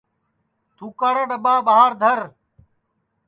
تُھوکاڑا ڈؔٻا ٻار دھر